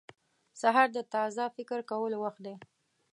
• سهار د تازه فکر کولو وخت دی.